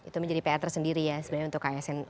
itu menjadi peater sendiri ya sebenarnya untuk ksn